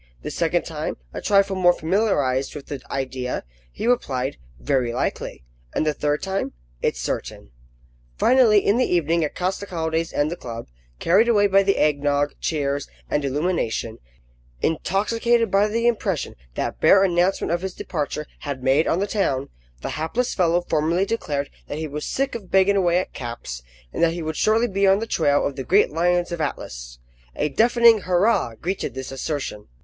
The second time; a trifle more familiarised with the idea, he replied, "Very likely;" and the third time, "It's certain." Finally, in the evening, at Costecalde's and the club, carried away by the egg nogg, cheers, and illumination; intoxicated by the impression that bare announcement of his departure had made on the town, the hapless fellow formally declared that he was sick of banging away at caps, and that he would shortly be on the trail of the great lions of the Atlas. A deafening hurrah greeted this assertion.